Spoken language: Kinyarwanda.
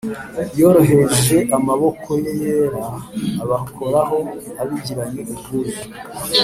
yoroheje amaboko ye yera abakoraho, abigiranye ubwuzu;